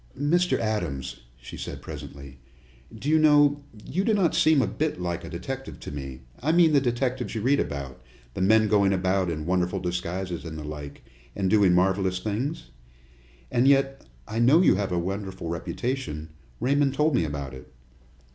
"Mr. Adams," she said presently, "do you know, you do not seem a bit like a detective to me I mean like the detectives you read about the men going about in wonderful disguises and the like, and doing marvelous things? And yet, I know you have a wonderful reputation Raymond told me about it."